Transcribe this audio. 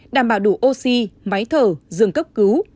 đảm bảo đủ oxy máy thở rừng cấp cứu